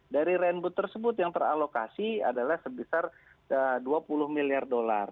dari rentboot tersebut yang teralokasi adalah sebesar rp dua puluh miliar